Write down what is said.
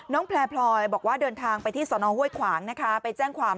แพลพลอยบอกว่าเดินทางไปที่สนห้วยขวางนะคะไปแจ้งความ